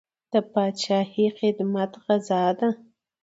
د پاچاهۍ خدمت غزا ده.